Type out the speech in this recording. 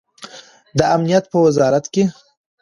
د امنیت په وزارت کې